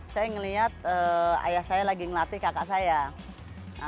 saya melihat ayah saya lagi ngelatih kakak saya